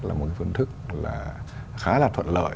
là một phương thức khá là thuận lợi